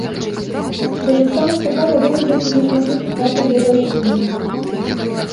Пра жыццё мастака вядома толькі з нешматлікіх вартых даверу крыніц.